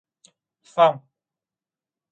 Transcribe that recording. Phong